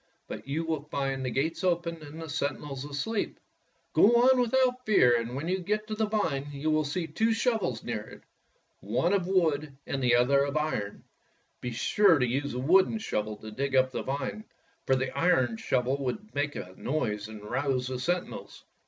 But you will find the gates open and the sen tinels asleep. Go on without fear, and when you get to the vine you will see two shovels near it, one of wood and the other of iron. Be sure to use the wooden shovel to dig up the vine, for the iron shovel would make a noise and rouse the sentinels.